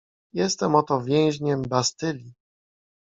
Jestem oto więźniem Bastylii.